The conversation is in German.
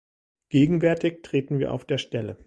Gegenwärtig treten wir auf der Stelle.